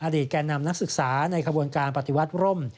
แก่นำนักศึกษาในขบวนการปฏิวัติร่ม